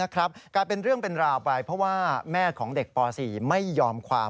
กลายเป็นเรื่องเป็นราวไปเพราะว่าแม่ของเด็กป๔ไม่ยอมความ